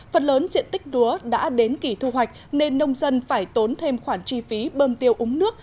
phần lớn diện tích lúa đã đến kỳ thu hoạch nên nông dân phải tốn thêm khoản chi phí bơm tiêu úng nước